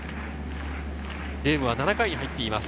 ゲームは７回に入っています。